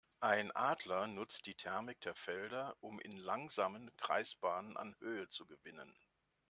Ein Adler nutzt die Thermik der Felder, um in langsamen Kreisbahnen an Höhe zu gewinnen.